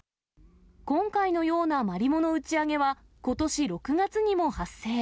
今回のようなマリモの打ち上げは、ことし６月にも発生。